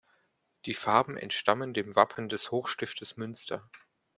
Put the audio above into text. Die Farben entstammen dem Wappen des Hochstiftes Münster.